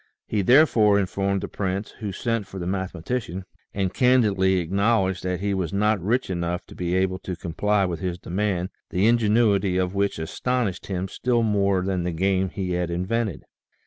He therefore informed the prince, who sent for the mathe matician, and candidly acknowledged that he was not rich enough to be able to comply with his demand, the ingenuity of which astonished him still more than the game he had invented.